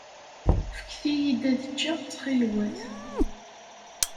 Fket-iyi-d ad ččeɣ, ttxil-wat.